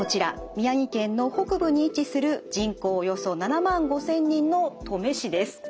宮城県の北部に位置する人口およそ７万５，０００人の登米市です。